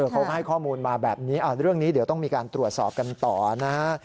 เขาก็ให้ข้อมูลมาแบบนี้เรื่องนี้เดี๋ยวต้องมีการตรวจสอบกันต่อนะฮะ